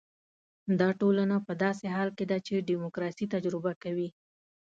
دا ټولنه په داسې حال کې ده چې ډیموکراسي تجربه کوي.